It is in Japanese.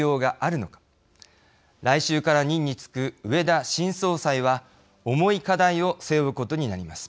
来週から任に就く植田新総裁は重い課題を背負うことになります。